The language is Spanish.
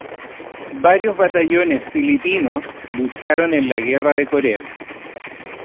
Varios batallones filipinos lucharon en la guerra de Corea.